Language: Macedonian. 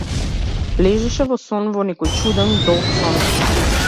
Лежеше во сон, во некој чуден, долг сон.